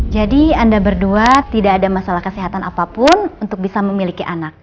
anda berdua tidak ada masalah kesehatan apapun untuk bisa memiliki anak